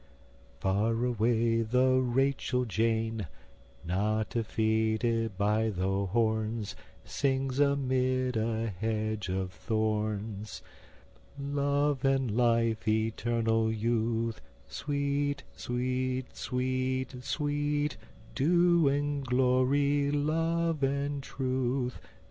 # Far away the Rachel Jane Not defeated by the horns Sings amid a hedge of thorns: Love and life, Eternal youth, Sweet, sweet, sweet, sweet, Dew and glory, Love and truth.